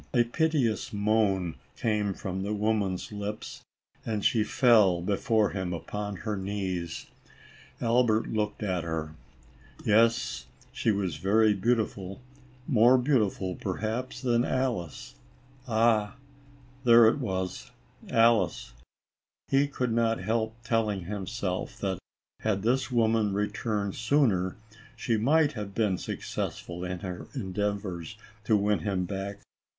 A piteous moan came from the woman's lips and she fell before him, upon her knees. Albert looked at her. Yes, she was very beautiful — ALICE ; OR, THE WAGES OF SIN. 37 more beautiful, perhaps, than Alice. Ah ! there it was ; Alice. He could not help telling him self that, had this woman returned sooner, she might have been successful in her endeavors to win him back.